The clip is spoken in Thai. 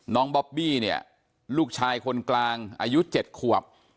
บอบบี้เนี่ยลูกชายคนกลางอายุ๗ขวบ